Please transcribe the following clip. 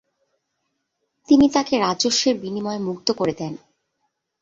তিনি তাকে রাজস্বের বিনিময়ে মুক্ত করে দেন।